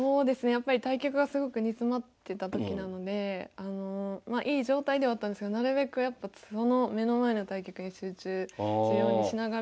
やっぱり対局がすごく煮詰まってた時なのでいい状態ではあったんですけどなるべくやっぱその目の前の対局に集中するようにしながら調整していて。